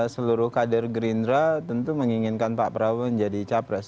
seluruh kader gerindra tentu menginginkan pak prabowo menjadi capres